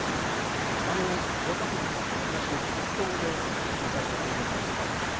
若藤さんも東の筆頭で十両の場所がありました。